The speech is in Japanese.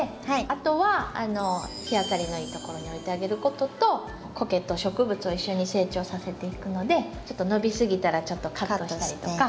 あとは日当たりのいいところに置いてあげることとコケと植物を一緒に成長させていくのでちょっと伸びすぎたらちょっとカットしたりとか。